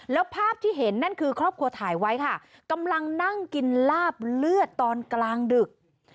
แล้วภาพที่เห็นนั่นคือครอบครัวถ่ายไว้ค่ะกำลังนั่งกินลาบเลือดตอนกลางดึก